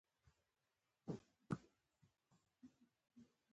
کلیمه د فکر څرګندونه کوي.